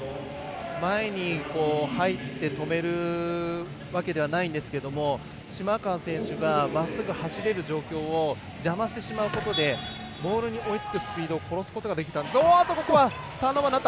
前に入って止めるわけではないんですけれども島川選手がまっすぐ走れる状況を邪魔してしまうことでボールに追いつくスピードを殺すことができたんです。